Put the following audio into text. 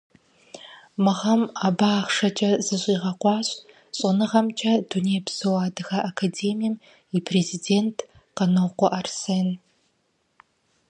Мы гъэм абы ахъшэкӏэ защӏигъэкъуащ Щӏэныгъэхэмкӏэ Дунейпсо Адыгэ Академием и президент Къанокъуэ Арсен.